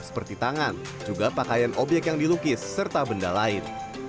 seperti tangan juga pakaian obyek yang dilukis serta benda lain